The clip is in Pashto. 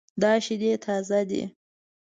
دا شیدې تازه دي